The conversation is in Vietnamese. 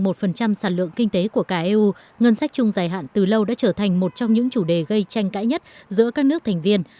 với một sản lượng kinh tế của cả eu ngân sách chung dài hạn từ lâu đã trở thành một trong những chủ đề gây tranh cãi nhất giữa các nước thành viên